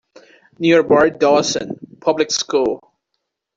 Nearby is Dawson Public School.